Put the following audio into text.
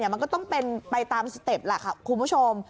มันก็ต้องเป็นไปตามสเต็ปแหละค่ะคุณผู้ชม